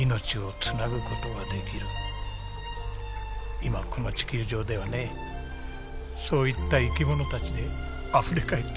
今この地球上ではねそういった生き物たちであふれ返っているんですよ。